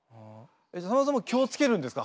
さんまさんも気を付けるんですか？